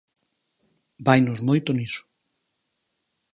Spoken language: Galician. Vainos moito niso.